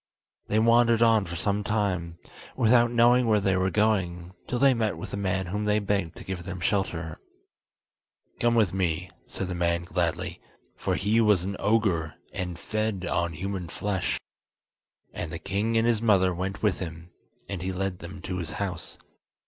They wandered on for some time, without knowing where they were going, till they met with a man whom they begged to give them shelter. "Come with me," said the man gladly, for he was an ogre, and fed on human flesh; and the king and his mother went with him, and he led them to his house.